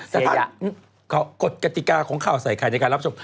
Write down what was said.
แต่ถ้ากฎกติกาของข่าวใส่ไข่ในการรับชม